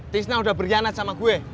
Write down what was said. tisna udah berkhianat sama gue